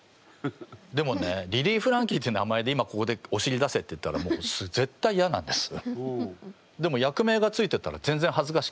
でもねリリー・フランキーって名前で今ここでおしり出せっていったらもうぜったいいやなんです。